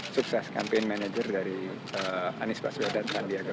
lebih manusiawi apa pak